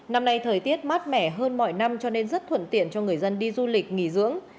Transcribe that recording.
năm nay thời tiết mát mẻ hơn mọi năm cho nên rất thuận tiện cho người dân đi du lịch nghỉ dưỡng